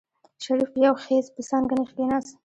شريف په يو خېز په څانګه نېغ کېناست.